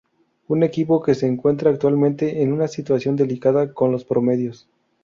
Un equipo que se encuentra actualmente en una situación delicada con los promedios.